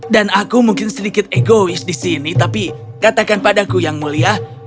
aku mungkin sedikit egois di sini tapi katakan padaku yang mulia